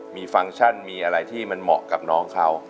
มีฟังก์ชั่นมีอะไรที่มันเหมาะกับน้องเขา